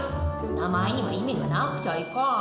名前には意味がなくちゃいかん。